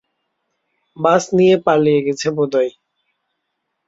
বাস নিয়ে পালিয়ে গেছে বোধহয়।